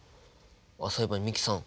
あっそういえば美樹さん。